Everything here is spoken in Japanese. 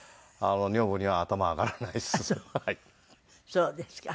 そうですか。